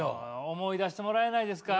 思い出してもらえないですか？